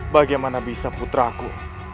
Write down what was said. bagaimana bisa putraku